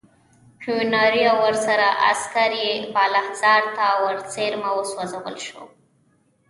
کیوناري او ورسره عسکر یې بالاحصار ته ورڅېرمه وسوځول شول.